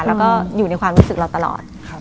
แล้วก็อยู่ในความรู้สึกเราตลอด